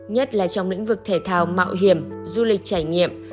nhất là trong lĩnh vực thể thao mạo hiểm du lịch trải nghiệm